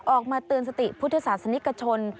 ออกมาเตือนสติพุทธศาสนิกชน